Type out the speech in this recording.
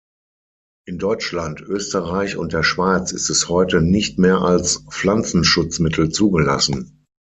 In Deutschland, Österreich und der Schweiz ist es heute nicht mehr als Pflanzenschutzmittel zugelassen.